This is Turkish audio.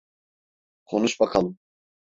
Konuş bakalım.